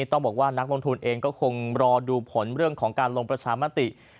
ต้องบอกว่านักลงทุนเองก็คงรอดูผลเรื่องของการลงประชามติ